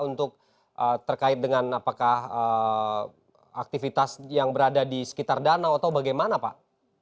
untuk terkait dengan apakah aktivitas yang berada di sekitar danau atau bagaimana pak